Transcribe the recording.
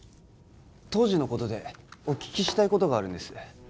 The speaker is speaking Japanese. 当時のことでお聞きしたいことがあるんです